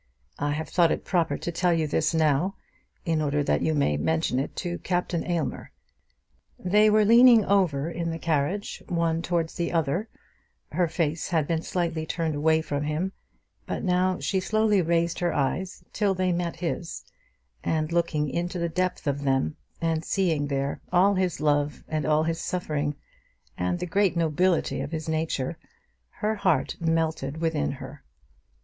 I have thought it proper to tell you this now, in order that you may mention it to Captain Aylmer." They were leaning over in the carriage one towards the other; her face had been slightly turned away from him; but now she slowly raised her eyes till they met his, and looking into the depth of them, and seeing there all his love and all his suffering, and the great nobility of his nature, her heart melted within her.